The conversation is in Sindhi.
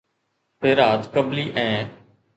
ويرات ڪبلي ۽